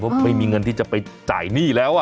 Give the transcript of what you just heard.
เพราะไม่มีเงินที่จะไปจ่ายหนี้แล้ว